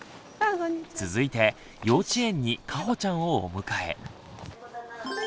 続いて幼稚園にかほちゃんをお迎え。